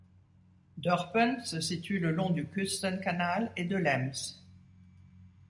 Dörpen se situe le long du Küstenkanal et de l'Ems.